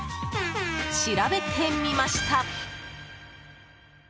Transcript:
調べてみました。